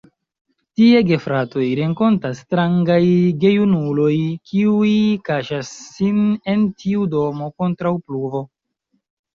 Tie gefratoj renkontas strangaj gejunuloj, kiuj kaŝas sin en tiu domo kontraŭ pluvo.